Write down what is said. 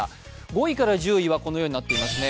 ５位から１０位はこのようになっていますね。